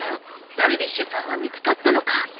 ダルビッシュさんは見つかったのか？